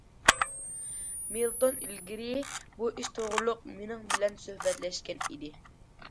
مىلتون ئىلگىرى بۇ ئىش توغرۇلۇق مېنىڭ بىلەن سۆھبەتلەشكەن ئىدى.